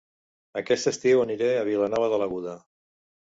Aquest estiu aniré a Vilanova de l'Aguda